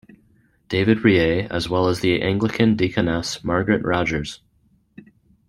David Reay as well as the Anglican Deaconess Margaret Rodgers.